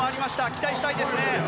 期待したいですね。